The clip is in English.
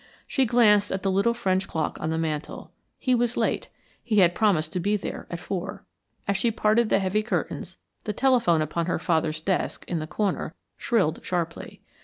She glanced at the little French clock on the mantel. He was late he had promised to be there at four. As she parted the heavy curtains, the telephone upon her father's desk, in the corner, shrilled sharply.